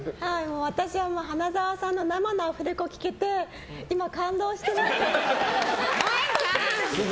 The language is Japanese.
私は、花澤さんの生のアフレコ聞けて今、感動してます。